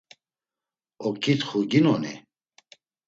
Oǩitxu ginoni?